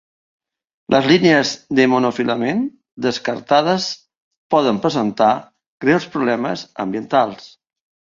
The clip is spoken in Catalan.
Les línies de monofilament descartades poden presentar greus problemes ambientals.